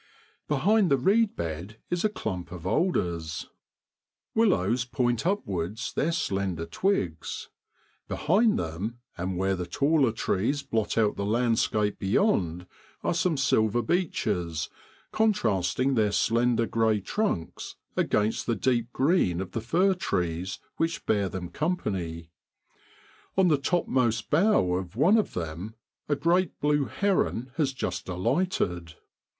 Behind the reed bed is a clump of alders. Willows point upwards their slen der twigs. Behind them, and where the taller trees blot out the landscape beyond, are some silver beeches, contrasting their slender grey trunks against the deep green of the fir trees which bear them company. On the topmost bough of one of them a great blue heron has just alighted.